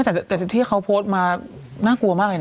แต่ที่เขาโพสต์มาน่ากลัวมากเลยนะ